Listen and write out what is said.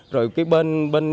rồi cái bên